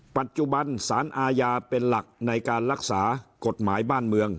ปัจจุบันสารอาญาเป็นหลักในการรักษากฎหมายบ้านเมือง